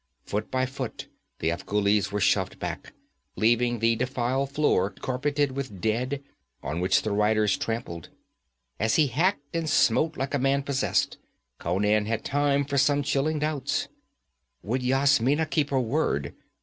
Foot by foot the Afghulis were shoved back, leaving the defile floor carpeted with dead, on which the riders trampled. As he hacked and smote like a man possessed, Conan had time for some chilling doubts would Yasmina keep her word?